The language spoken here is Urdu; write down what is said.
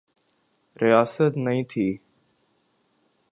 ریاست نئی تھی۔